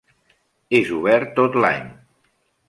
És obert tot l'any.